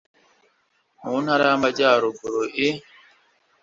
mu ntara y amajyaruguru i